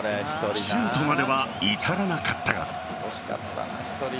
シュートまでは至らなかったが。